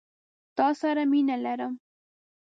تا سره مينه لرم